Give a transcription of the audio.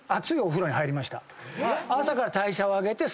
朝から代謝を上げて。